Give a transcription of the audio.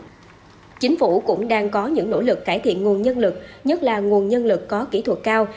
chính phủ cũng đang có những nỗ lực cải thiện nguồn nhân lực nhất là nguồn nhân lực có kỹ thuật cao